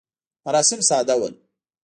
مراسم ساده ول.